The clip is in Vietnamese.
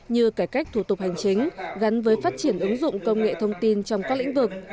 như cải cách thủ tục hành chính gắn với phát triển ứng dụng công nghệ thông tin trong các lĩnh vực